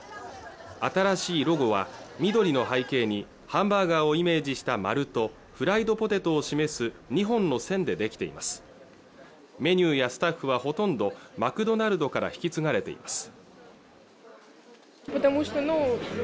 新しいロゴは緑の背景にハンバーガーをイメージした丸とフライドポテトを示す２本の線で出来ていますメニューやスタッフはほとんどマクドナルドから引き継がれています